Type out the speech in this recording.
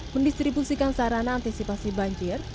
mendistribusikan sarana antisipasi banjir